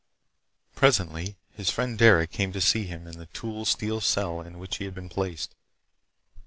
Presently his friend Derec came to see him in the tool steel cell in which he had been placed.